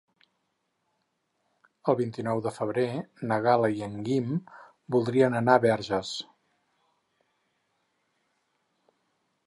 El vint-i-nou de febrer na Gal·la i en Guim voldrien anar a Verges.